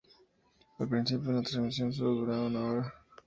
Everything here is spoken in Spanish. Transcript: Al principio, la transmisión sólo duraba una hora.